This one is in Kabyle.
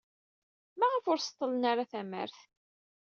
Maɣef ur seḍḍlen ara tamart?